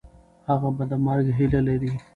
هغه به د مرګ هیله لري.